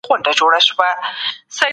هلمند سيند د ژوند رګ دی.